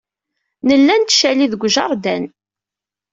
Nella nettcali deg ujeṛdan.